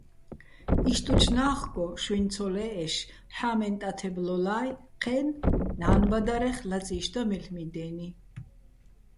იშტუჩ ნა́ხგო შუჲნი̆ ცოლე́ჸეშ ჰ̦ა́მენ ტათებ ლოლა́ჲ, ჴე́ნო, ნა́ნბადარეხ, ლაწიში̆ და მელ'მი დე́ნი.